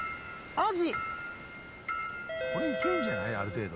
アジ。